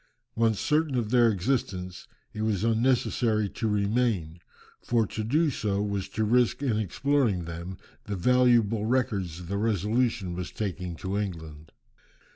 Once certain of their existence, it was unnecessary to remain, for to do so was to risk in exploring them the valuable records the Resolution was taking to England.